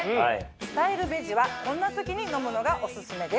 「スタイルベジ」はこんな時に飲むのがオススメです。